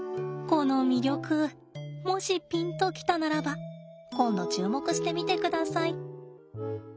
この魅力もしピンと来たならば今度注目してみてください。